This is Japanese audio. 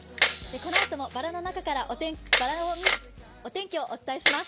このあともバラの中からお天気をお伝えします。